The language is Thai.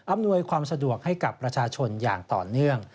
อำนวยความสะดวกให้กับประชาชนอย่างต่อเนื่อง